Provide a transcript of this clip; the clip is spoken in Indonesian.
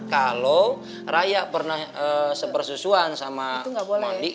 kalau raya pernah sepersusuan sama mondi itu gak boleh